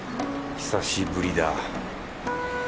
久しぶりだ